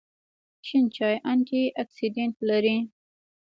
شین چای انټي اکسیډنټ لري